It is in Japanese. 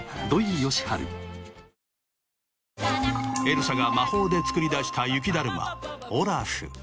エルサが魔法で作り出した雪だるまオラフ。